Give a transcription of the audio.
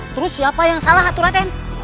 terus siapa yang salah satu raden